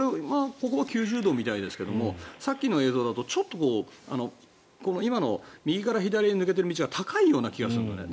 ここも９０度みたいですけどさっきの映像だとちょっと今の右から左へ抜けている道が高いような気がするんだよね。